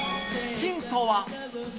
ヒントは。